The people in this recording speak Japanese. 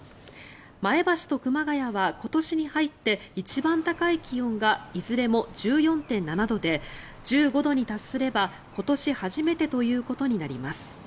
前橋と熊谷は今年に入って一番高い気温がいずれも１４．７度で１５度に達すれば今年初めてということになります。